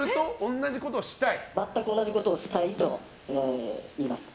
全く同じことをしたいと言いました。